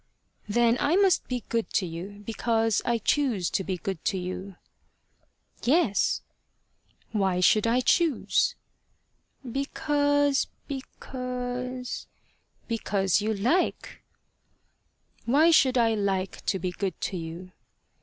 "Then I must be good to you because I choose to be good to you." "Yes." "Why should I choose?" "Because because because you like." "Why should I like to be good to you?"